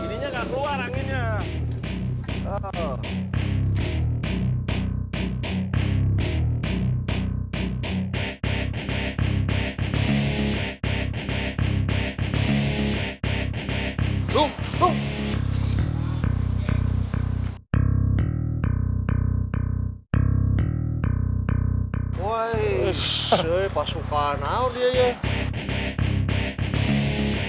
ininya gak keluar anginnya